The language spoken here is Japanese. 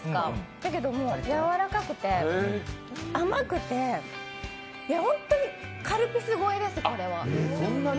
だけど、やわらかくて甘くて、ホントにカルピス超えです、これは。